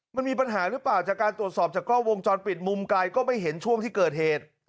มันมีปัญหาหรือเปล่าจากการตรวจสอบจากกล้องวงจรปิดมุมไกลก็ไม่เห็นช่วงที่เกิดเหตุ